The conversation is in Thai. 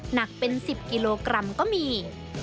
หนักเป็น๑๐กิโลกรัมก็มี